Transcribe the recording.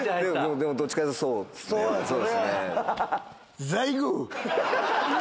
でも、どっちかというとそうそう、それ。